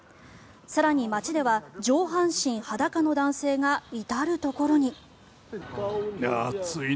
更に、街では上半身裸の男性が至るところに。